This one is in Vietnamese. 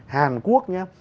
hàn quốc nha